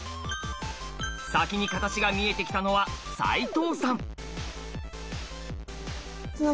先にカタチが見えてきたのは齋藤さん。